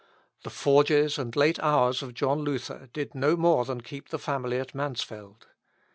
The forges and late hours of John Luther did no more than keep the family at Mansfield.